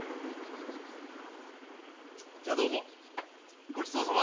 じゃどうもごちそうさま。